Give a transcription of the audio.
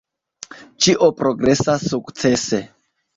Ĉio progresas sukcese.